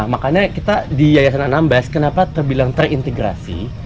makanya kita di yayasan anambas kenapa terbilang terintegrasi